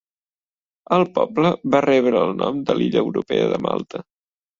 El poble va rebre el nom de l'illa europea de Malta.